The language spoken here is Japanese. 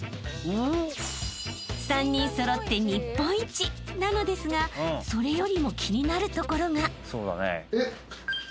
［３人揃って「日本一」なのですがそれよりも気になるところが］